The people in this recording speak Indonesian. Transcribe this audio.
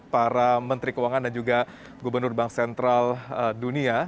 para menteri keuangan dan juga gubernur bank sentral dunia